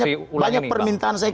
karena banyak permintaan saya